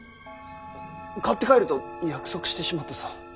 買って帰ると約束してしまったぞ。